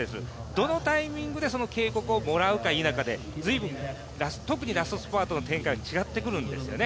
どのタイミングでその警告をもらうか否かで随分特にラストスパートの展開は違ってくるんですよね。